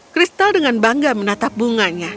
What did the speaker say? kristal dengan bangga menatap bunganya